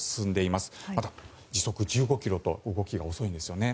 まだ、時速１５キロと動きが遅いんですね。